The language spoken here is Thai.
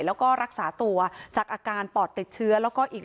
แล้วก็รักษาตัวจากอาการปอดติดเชื้อแล้วก็อีก